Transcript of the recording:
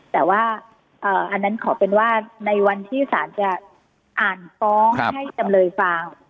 แต่อันนั้นขอว่าในวันที่สาธารณ์จะอ่านคล้องให้จำเนยฟ่าง